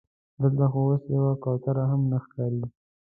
دلته خو اوس یوه کوتره هم نه ښکاري.